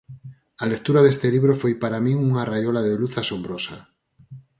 A lectura deste libro foi para min unha raiola de luz asombrosa.